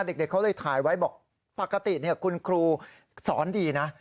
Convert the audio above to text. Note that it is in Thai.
เด็กเขาเลยถ่ายไว้บอกปกติคุณครูสอนดีนะ